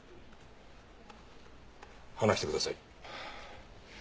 話してください。